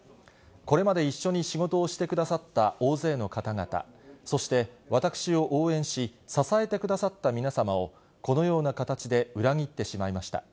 これまで一緒に仕事をしてくださった大勢の方々、そして私を応援し、支えてくださった皆様を、このような形で裏切ってしまいました。